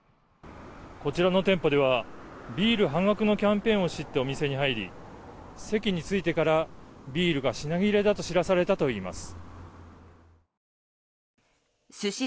こちらの店舗ではビール半額のキャンペーンを知ってお店に入り席に着いてからビールが品切れだと知らされたといいます。